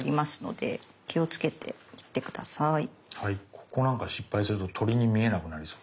ここなんか失敗すると鳥に見えなくなりそう。